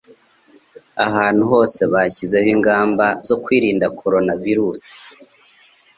ahantu hose bashyizeho ingamba zo kwirinda corona virus